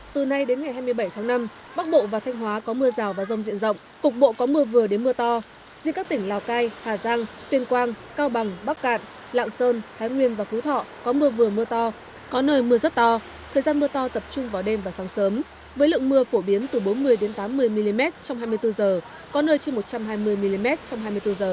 từ nay đến ngày hai mươi bảy tháng năm bắc bộ và thanh hóa có mưa rào và rông diện rộng cục bộ có mưa vừa đến mưa to riêng các tỉnh lào cai hà giang tuyên quang cao bằng bắc cạn lạng sơn thái nguyên và phú thọ có mưa vừa mưa to có nơi mưa rất to thời gian mưa to tập trung vào đêm và sáng sớm với lượng mưa phổ biến từ bốn mươi tám mươi mm trong hai mươi bốn h có nơi trên một trăm hai mươi mm trong hai mươi bốn h